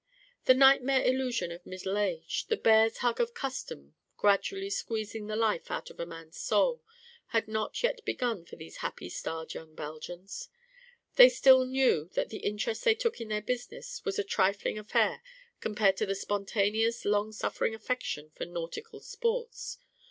The nightmare illusion of middle age, the bear's hug of custom gradually squeezing the life out of a man's soul, had not yet begun for these happy starred young Belgians. They still knew that the interest they took in their business was a trifling affair compared to their spontaneous, long suffering affection for nautical sports.